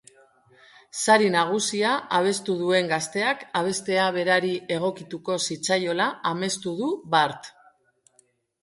Sari nagusia abestu duen gazteak abestea berari egokituko zitzaiola amestu du bart.